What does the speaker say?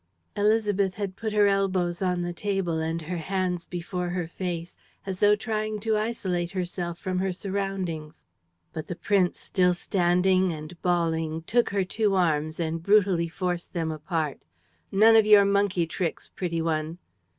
Élisabeth had put her elbows on the table and her hands before her face, as though trying to isolate herself from her surroundings. But the prince, still standing and bawling, took her two arms and brutally forced them apart: "None of your monkey tricks, pretty one!"